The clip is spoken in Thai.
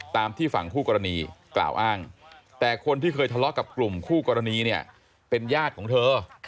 ตามที่ฝั่งคู่กรณีกล่าวอ้างแต่คนที่เคยทะเลาะกับกลุ่มคู่กรณีเนี่ยเป็นญาติของเธอ